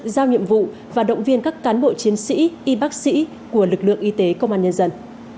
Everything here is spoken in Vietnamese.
giao nhiệm vụ và động viên các cán bộ chiến sĩ y bác sĩ của lực lượng y tế công an nhân dân